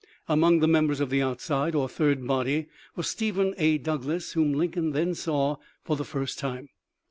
Among the members of the outside or " third body " was Stephen A. Douglas, whom Lincoln then saw for the first time.